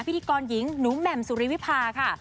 พิธีกรหญิงหนูแหม่มสุริวิพาค่ะ